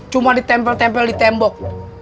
cuma ditempel tempel di tembok